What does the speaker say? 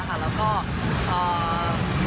แล้วก็นั่งมอเตอร์ไซค์มา๒คน